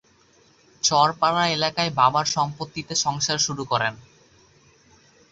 চরপাড়া এলাকায় বাবার সম্পত্তিতে সংসার শুরু করেন।